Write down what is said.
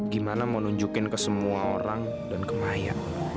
gimana mau nunjukin ke semua orang dan ke maya